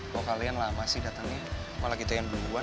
bahwa kalian lama sih datangnya malah kita yang duluan